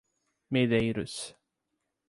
Medeiros